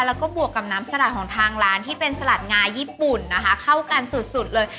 แล้วก็บวกกับน้ำสลัดของทางร้านที่เป็นสลัดงาญี่ปุ่นนะคะเข้ากันสุดเลย